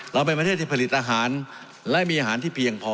เราเป็นประเทศที่ผลิตอาหารและมีอาหารที่เพียงพอ